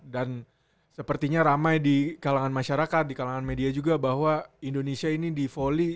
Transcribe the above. dan sepertinya ramai di kalangan masyarakat di kalangan media juga bahwa indonesia ini di voli